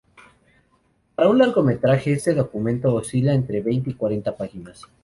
Para un largometraje este documento oscila entre veinte y cuarenta páginas.